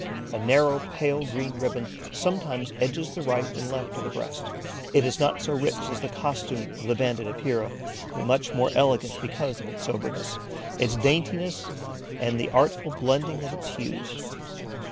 A narrow pale green ribbon sometimes edges the right and left of the breast. It is not so rich as the costume of the Banded Epeira, but much more elegant because of its soberness, its daintiness and the artful blending of its hues.